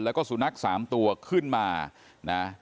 แล้วก็สุนัข๓ตัวขึ้นมานะ